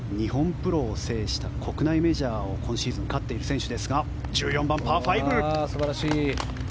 プロを制した国内メジャーを今シーズン勝っている選手ですが素晴らしい。